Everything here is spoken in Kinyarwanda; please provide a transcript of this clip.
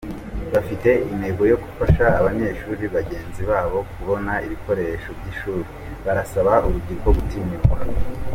Bafite intego yo gufasha abanyeshuri bagenzi babo kubona ibikoresho by’ishuri…barasaba urubyiruko kutitinya.